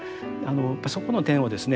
そこの点をですね